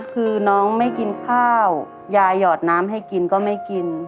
คือน้องไม่กินข้าวยายหอดน้ำให้กินก็ไม่กิน